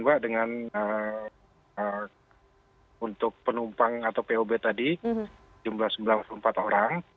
berhenti kan mbak dengan untuk penumpang atau pob tadi jumlah sembilan puluh empat orang